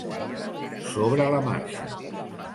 Sobre la marxa.